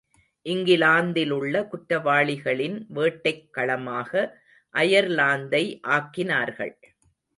இங்கிலாந்திலுள்ள குற்றவாளிகளின் வேட்டைக் களமாக அயர்லாந்தை ஆக்கினார்கள்.